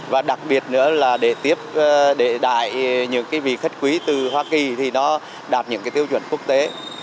và đặc biệt nữa là để đại những vị khách quý từ hoa kỳ thì nó đạt những tiêu chuẩn quốc tế